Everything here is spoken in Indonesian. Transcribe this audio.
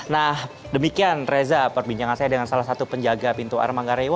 nah demikian reza perbincangan saya dengan salah satu penjaga pintu air manggarai